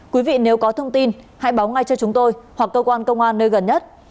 quý vị nếu có thông tin hãy báo ngay cho chúng tôi hoặc cơ quan công an nơi gần nhất